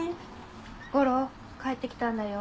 吾良帰ってきたんだよ。